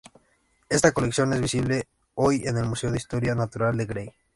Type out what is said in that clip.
Esta colección es visible hoy en el Museo de Historia Natural de Gray.